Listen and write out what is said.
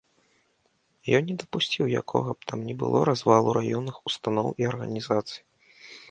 Ён не дапусціў якога б там ні было развалу раённых устаноў і арганізацый.